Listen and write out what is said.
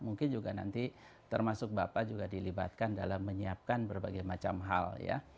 mungkin juga nanti termasuk bapak juga dilibatkan dalam menyiapkan berbagai macam hal ya